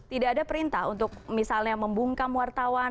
tidak ada perintah untuk misalnya membungkam wartawan